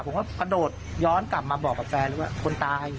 ผมก็กระโดดย้อนกลับมาบอกกับแฟนเลยว่าคนตาย